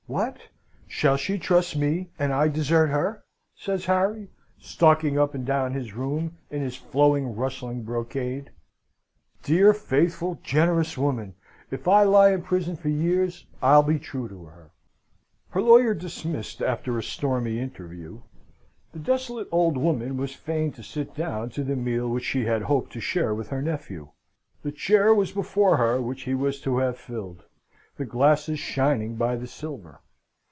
"What? Shall she trust me, and I desert her?" says Harry, stalking up and down his room in his flowing, rustling brocade. "Dear, faithful, generous woman! If I lie in prison for years, I'll be true to her." Her lawyer dismissed after a stormy interview, the desolate old woman was fain to sit down to the meal which she had hoped to share with her nephew. The chair was before her which he was to have filled, the glasses shining by the silver.